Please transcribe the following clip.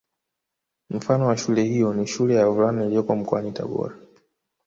Mfano wa shule hiyo ni Shule ya wavulana iliyoko mkoani Tabora